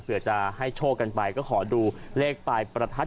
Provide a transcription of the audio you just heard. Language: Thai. เพื่อจะให้โชคกันไปก็ขอดูเลขปลายประทัด